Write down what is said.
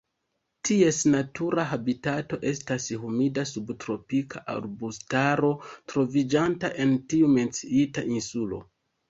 Ties natura habitato estas humida subtropika arbustaro troviĝanta en tiu menciita insulo.